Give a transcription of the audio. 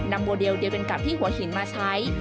โมเดลเดียวกันกับที่หัวหินมาใช้